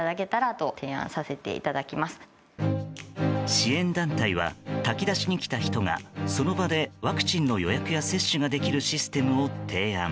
支援団体は炊き出しに来た人がその場で、ワクチンの予約や接種ができるシステムを提案。